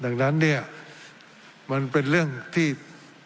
ทั้งสองกรณีผลเอกประยุทธ์